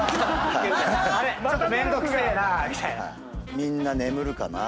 みんな眠るかな？